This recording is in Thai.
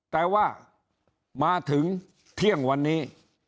แต่ว่ามาถึงเที่ยงวันนี้